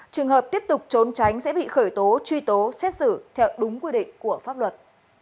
trường hợp tiếp tục trốn tránh sẽ bị khởi tố truy tố xét xử theo đúng quy định của pháp luật